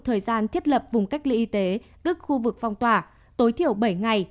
thời gian thiết lập vùng cách ly y tế tức khu vực phong tỏa tối thiểu bảy ngày